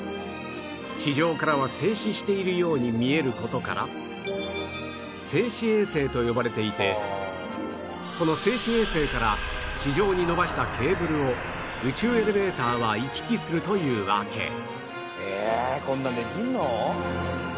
地上からは静止しているように見える事から静止衛星と呼ばれていてこの静止衛星から地上に伸ばしたケーブルを宇宙エレベーターは行き来するというわけ